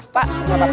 pak mau apa apa